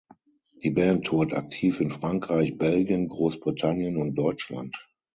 Die Band tourt aktiv in Frankreich, Belgien, Großbritannien und Deutschland.